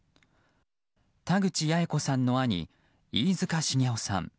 田口八重子さんの兄飯塚繁雄さん。